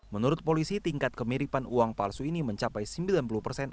menurut polisi tingkat kemiripan uang palsu ini mencapai sembilan puluh persen